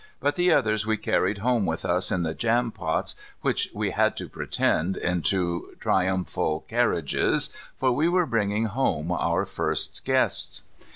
But the others we carried home with us in the jam pots, which we had to pretend into triumphal carriages. For we were bringing home our first guests.